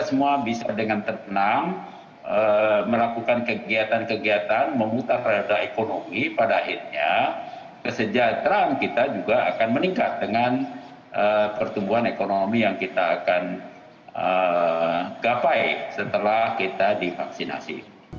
kesejahteraan kita juga akan meningkat dengan pertumbuhan ekonomi yang kita akan capai setelah kita divaksinasi